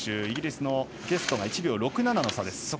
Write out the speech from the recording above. イギリスのゲストが１秒６７の差です。